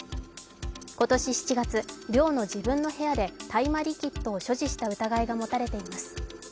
今年７月、寮の自分の部屋で大麻リキッドを所持した疑いが持たれています。